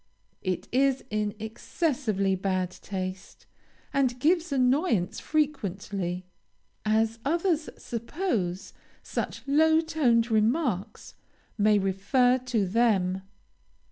It is in excessively bad taste, and gives annoyance frequently, as others suppose such low toned remarks may refer to them.